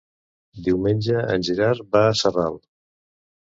Diumenge en Gerard va a Sarral.